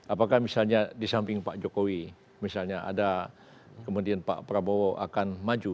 apakah misalnya di samping pak jokowi misalnya ada kemudian pak prabowo akan maju